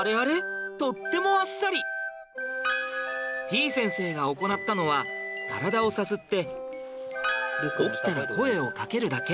てぃ先生が行ったのは体をさすって起きたら声をかけるだけ！